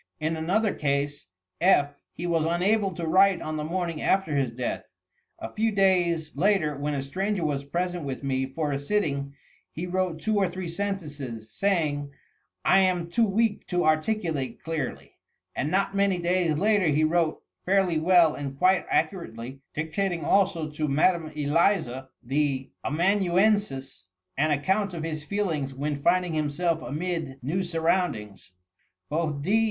In another case. P., he was unable to write on the morning after his death. A few days later, when a stranger was present with me for a sitting, he wrote two or three sentences, saying :' I am too weak to articulate clearly,' and not many days later he wrote fairly well and quite accurately, dictating also to Mme, Eliza, the amanuensis, an account of his feelings when finding himBelf amid new surroundings. Both D.